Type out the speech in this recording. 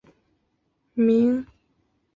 四川乡试第三十九名。